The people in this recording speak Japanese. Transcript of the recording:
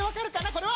これは？